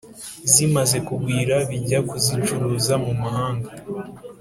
zimaze kugwira, bijya kuzicuruza mu mahanga